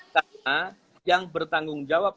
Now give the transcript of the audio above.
karena yang bertanggung jawab